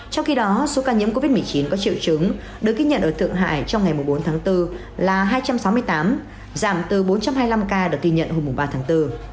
trong khi đó số ca nhiễm covid một mươi chín có triệu chứng được kích nhận ở thượng hải trong ngày bốn tháng bốn là hai trăm sáu mươi tám giảm từ bốn trăm hai mươi năm ca được ghi nhận hôm ba tháng bốn